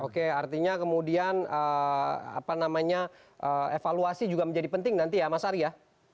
oke artinya kemudian evaluasi juga menjadi penting nanti ya mas ari ya